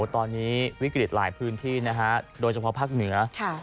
ตอนนี้วิกฤตหลายพื้นที่นะฮะโดยเฉพาะภาคเหนือ